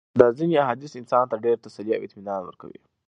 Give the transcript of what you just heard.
دا ځېني احاديث انسان ته ډېره تسلي او اطمنان ورکوي